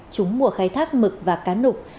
chúng mùa khai thác mực và cá nục